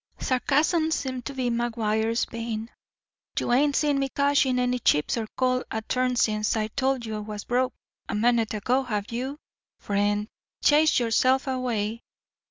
Sarcasm seemed to be McGuire's vein. "You ain't seen me cash in any chips or call a turn since I told you I was broke, a minute ago, have you? Friend, chase yourself away."